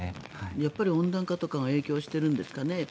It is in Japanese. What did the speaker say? やっぱり温暖化とかが影響しているんですかね。